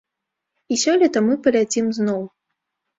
І сёлета мы паляцім зноў.